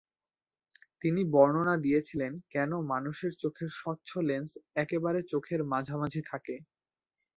তিনি বর্ণনা দিয়েছিলেন কেন মানুষের চোখের স্বচ্ছ লেন্স একেবারে চোখের মাঝামাঝি থাকে।